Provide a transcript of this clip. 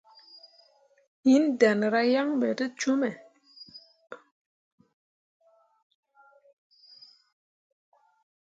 Hinni danra yaŋ ɓe te cume.